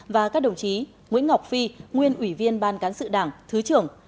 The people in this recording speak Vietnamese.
và các đồng chí nguyễn ngọc phi nguyên ủy viên ban cán sự đảng thứ trưởng